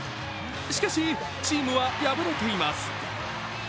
しかし、チームは敗れています。